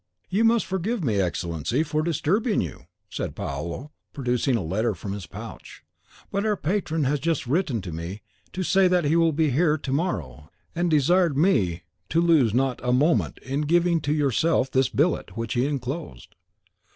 "You must forgive me, Excellency, for disturbing you," said Paolo, producing a letter from his pouch; "but our Patron has just written to me to say that he will be here to morrow, and desired me to lose not a moment in giving to yourself this billet, which he enclosed."